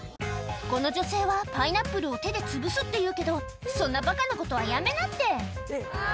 この女性はパイナップルを手でつぶすって言うけどそんなバカなことはやめなってはぁ！